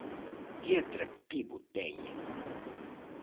Que atractivo teñen!